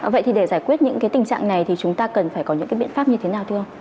vậy thì để giải quyết những cái tình trạng này thì chúng ta cần phải có những cái biện pháp như thế nào thưa ông